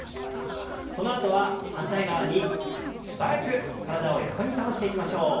このあとは反対側に素早く体を横に倒していきましょう。